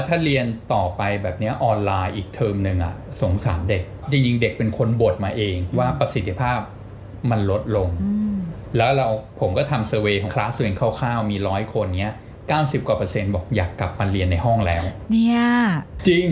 เทอมข้าวมีร้อยคนเนี้ยเก้าสิบกว่าภาษณ์บอกอยากกลับมาเรียนในห้องแล้วเนี่ยจริงอ่ะ